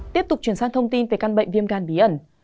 tiếp tục chuyển sang thông tin về căn bệnh viêm gan bí ẩn